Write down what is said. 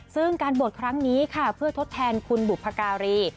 ซึ่งการบวชครั้งนี้ค่ะเพื่อทดแทนคุณบุพการี